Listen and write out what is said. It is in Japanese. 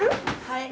はい。